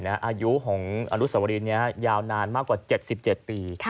อายุของอนุสวรีนี้ยาวนานมากกว่า๗๗ปี